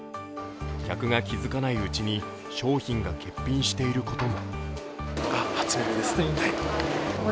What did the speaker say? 客が気づかないうちに、商品が欠品していることも。